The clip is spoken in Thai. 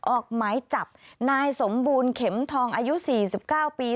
ออกหมายจับนายสมบูรณ์เข็มทองอายุ๔๙ปี